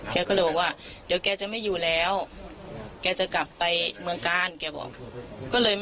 แกก็เลยบอกว่าเดี๋ยวแกจะไม่อยู่แล้วแกจะกลับไปเมืองกาลแกบอกก็เลยไม่